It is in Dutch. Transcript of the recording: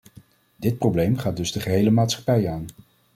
Dit probleem gaat dus de gehele maatschappij aan.